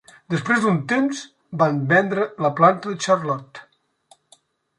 Després d'un temps, van vendre la planta de Charlotte.